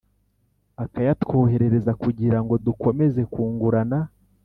akayatwoherereza kugirango dukomeze kungurana